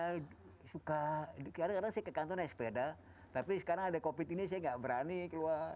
saya suka kadang kadang saya ke kantor naik sepeda tapi sekarang ada covid ini saya nggak berani keluar